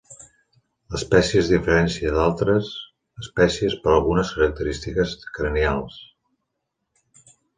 L'espècie es diferencia d'altres espècies per algunes característiques cranials.